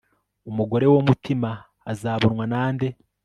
umugore w'umutima azabonwa na nde